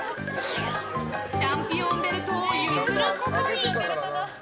チャンピオンベルトを譲ることに。